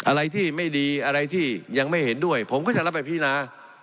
อะไรที่ไม่ดีอะไรที่ยังไม่เห็นด้วยผมก็จะรับไปพินา